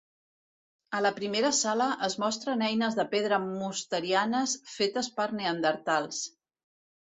A la primera sala es mostren eines de pedra mosterianes fetes per neandertals.